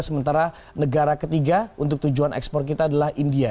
sementara negara ketiga untuk tujuan ekspor kita adalah india